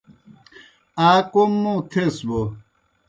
آ کوْم موں تھیس بوْ